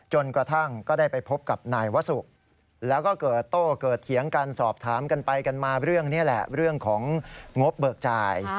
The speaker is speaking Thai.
จนกระทั่งก็ได้ไปพบกับนายวสุแล้วก็เกิดโต้เกิดเถียงกันสอบถามกันไปกันมาเรื่องนี้แหละเรื่องของงบเบิกจ่าย